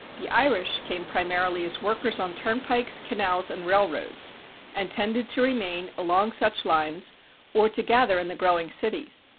The Irish came primarily as workers on turnpikes, canals and railroads, and tended to remain along such lines, or to gather in the growing cities.